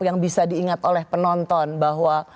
yang bisa diingat oleh penonton bahwa